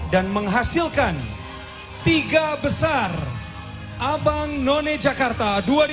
dan menghasilkan tiga besar abang none jakarta